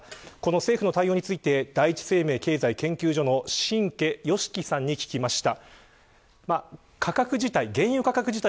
政府の対応について第一生命経済研究所の新家義貴さんに聞きました。